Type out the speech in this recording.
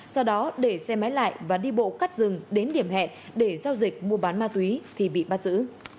sau đó để xe máy lại và đi bộ cắt rừng đến điểm hẹn để giao dịch mua bán ma túy thì bị bắt giữ